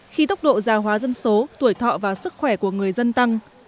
khi tốc độ già hóa dân số tuổi thọ và sức khỏe của người dân tăng